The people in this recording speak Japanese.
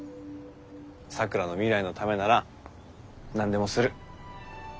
咲良の未来のためなら何でもする。